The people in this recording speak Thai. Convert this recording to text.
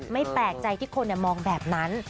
แปลกใจที่คนมองแบบนั้น